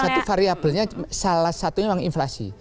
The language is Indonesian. satu variabelnya salah satunya memang inflasi